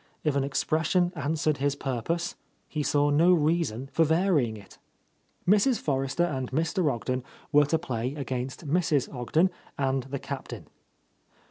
If an expression answered his purpose, he saw no reason for varying it. Mrs. Forrester and Mr. Ogden were to play against Mrs. Ogden and the Captain.